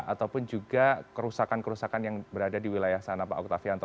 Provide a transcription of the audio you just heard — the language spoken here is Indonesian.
ataupun juga kerusakan kerusakan yang berada di wilayah sana pak oktavianto